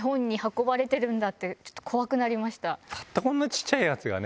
たったこんな小っちゃいやつがね